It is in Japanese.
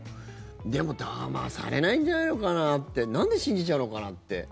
でも、だまされないんじゃないのかなってなんで信じちゃうのかなって。